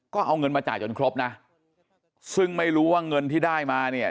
ก็เอาเงินมาจ่ายจนครบนะซึ่งไม่รู้ว่าเงินที่ได้มาเนี่ย